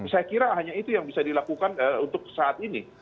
saya kira hanya itu yang bisa dilakukan untuk saat ini